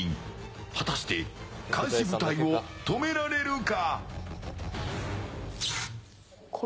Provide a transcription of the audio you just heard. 果たして、監視部隊を止められるか？